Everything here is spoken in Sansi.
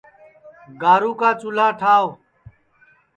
گارُو کا چُولھا ٹھاوَ